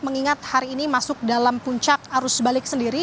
mengingat hari ini masuk dalam puncak arus balik sendiri